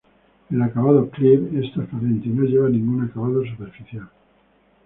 El acabado Clear es transparente y no lleva ningún acabado superficial.